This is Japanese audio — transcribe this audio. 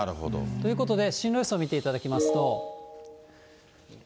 ということで、進路予想を見ていただきますと。